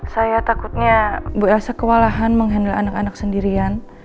saya takutnya bu elsa kewalahan menghandle anak anak sendirian